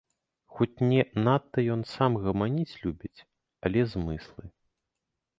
Хоць не надта ён сам гаманіць любіць, але змыслы.